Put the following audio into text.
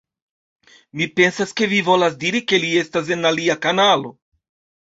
Mi pensas, ke vi volas diri, ke li estas en alia kanalo